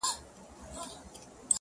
• هر کور کي لږ غم شته..